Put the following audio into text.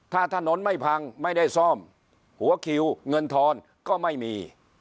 ถ้าถนนไม่พังไม่ได้ซ่อมหัวคิวเงินทอนก็ไม่มี